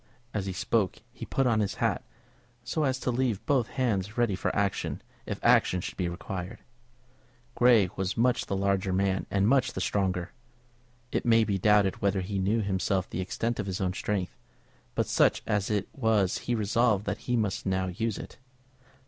As he spoke he put on his hat, so as to leave both his hands ready for action if action should be required. Grey was much the larger man and much the stronger. It may be doubted whether he knew himself the extent of his own strength, but such as it was he resolved that he must now use it.